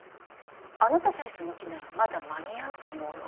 あなたさえその気ならまだ間に合うと思うの。